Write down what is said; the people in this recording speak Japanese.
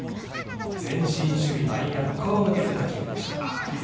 前進守備の内野の横を抜けていく打球でした。